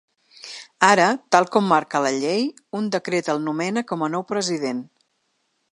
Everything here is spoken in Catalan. Ara, tal com marca la llei, un decret el nomena com a nou president.